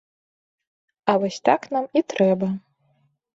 А вось так нам і трэба.